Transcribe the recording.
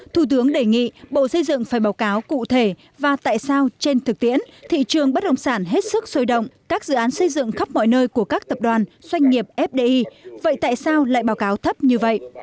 thủ tướng đề nghị bộ xây dựng phải báo cáo cụ thể và tại sao trên thực tiễn thị trường bất động sản hết sức sôi động các dự án xây dựng khắp mọi nơi của các tập đoàn doanh nghiệp fdi vậy tại sao lại báo cáo thấp như vậy